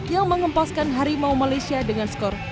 yang mengempaskan harimau malaysia dengan skor tujuh puluh lima puluh lima